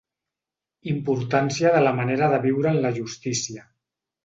Importància de la manera de viure en la justícia.